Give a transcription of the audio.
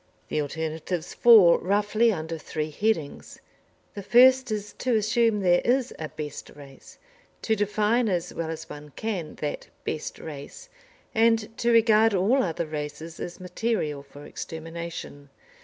The alternatives fall roughly under three headings. The first is to assume there is a best race, to define as well as one can that best race, and to regard all other races as material for extermination.